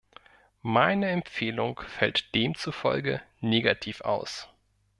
Meine Empfehlung fällt demzufolge negativ aus.